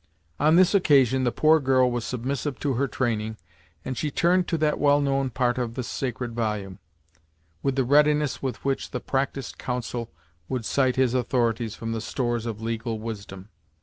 On this occasion the poor girl was submissive to her training, and she turned to that well known part of the sacred volume, with the readiness with which the practised counsel would cite his authorities from the stores of legal wisdom.